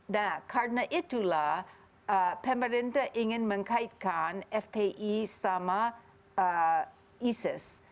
nah karena itulah pemerintah ingin mengkaitkan fpi sama isis